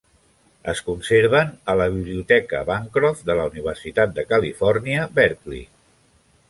Es conserven a la Biblioteca Bancroft de la Universitat de Califòrnia, Berkeley.